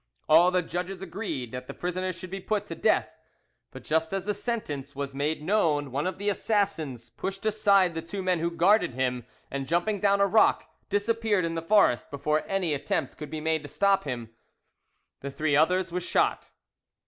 All the judges agreed that the prisoners should be put to death, but just as the sentence was made known one of the assassins pushed aside the two men who guarded him, and jumping down a rock, disappeared in the forest before any attempt could be made to stop him. The three others were shot.